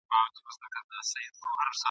په جوپو جوپو به دام ته نه ورتللې !.